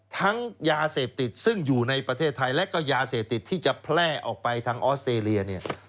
ยาเสพติดซึ่งอยู่ในประเทศไทยและก็ยาเสพติดที่จะแพร่ออกไปทางออสเตรเลียเนี่ย